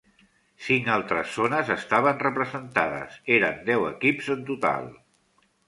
Cinc altres zones estaven representades, eren deu equips en total.